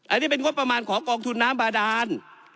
อันนี้เป็นงบประมาณของกองทุนน้ำบาดาน